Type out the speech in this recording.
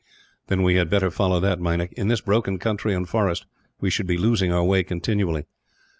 "Then we had better follow that, Meinik. In this broken country, and forest, we should be losing our way continually."